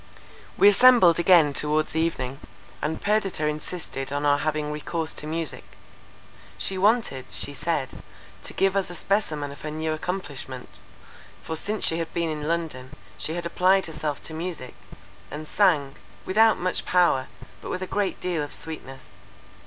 We assembled again towards evening, and Perdita insisted on our having recourse to music. She wanted, she said, to give us a specimen of her new accomplishment; for since she had been in London, she had applied herself to music, and sang, without much power, but with a great deal of sweetness.